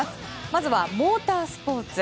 まずはモータースポーツ。